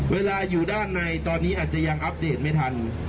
อยู่ด้านในตอนนี้อาจจะยังอัปเดตไม่ทัน